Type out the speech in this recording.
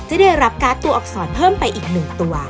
ได้รับการ์ดตัวอักษรเพิ่มไปอีก๑ตัว